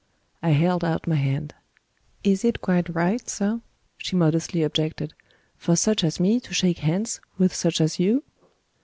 I held out my hand. "Is it quite right, sir," she modestly objected, "for such as me to shake hands with such as you?"